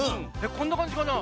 こんなかんじかな？